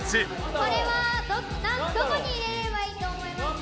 これはどこに入れればいいと思いますか？